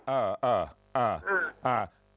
เออเออเออ